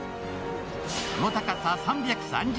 その高さ３３０ｍ。